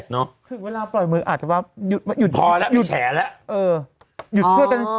ถึงเวลาปล่อยมืออาจจะว่าพอแล้วไม่แฉแล้ว